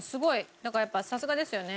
だからやっぱさすがですよね。